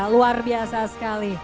luar biasa sekali